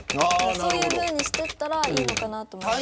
そういうふうにしたらいいのかなと思います。